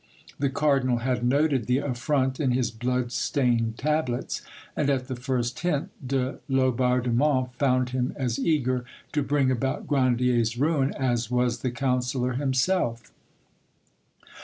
The cardinal had noted the affront in his bloodstained tablets, and at the first hint de Laubardemont found him as eager to bring about Grandier's ruin as was the councillor himself.